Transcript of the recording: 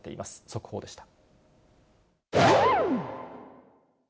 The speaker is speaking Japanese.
速報でした。